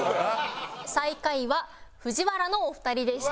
最下位はＦＵＪＩＷＡＲＡのお二人でした。